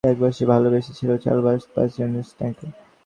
একবার সে ভালোবেসেছিল চালবাজ প্যাসিওনিস্তাকে।